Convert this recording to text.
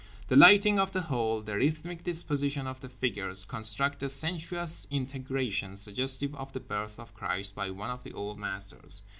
The lighting of the whole, the rhythmic disposition of the figures, construct a sensuous integration suggestive of The Birth of Christ by one of the Old Masters.